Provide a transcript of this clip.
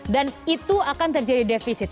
dan itu akan terjadi defisit